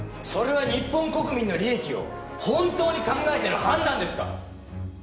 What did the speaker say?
それは日本国民の利益を本当に考えての判断ですか？